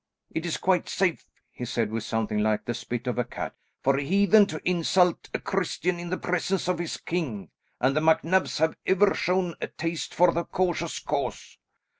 "It is quite safe," he said with something like the spit of a cat, "for a heathen to insult a Christian in the presence of his king, and the MacNabs have ever shown a taste for the cautious cause."